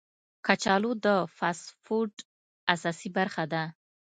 کچالو د فاسټ فوډ اساسي برخه ده